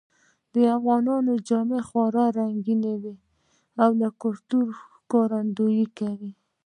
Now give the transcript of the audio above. افغانۍ جامې خورا رنګینی وی او د کلتور ښکارندویې کوی